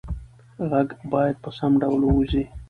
غږ باید په سم ډول ووځي.